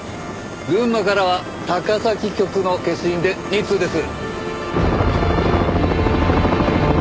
群馬からは高崎局の消印で２通です。